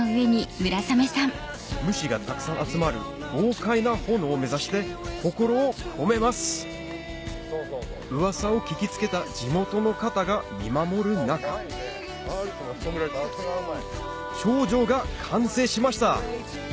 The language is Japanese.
虫がたくさん集まる豪快な炎を目指して心を込めますうわさを聞き付けた地元の方が見守る中頂上が完成しました